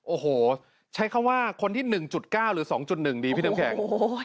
โอ้โหใช้คำว่าคนที่๑๙หรือ๒๑ดีพี่น้ำแข็ง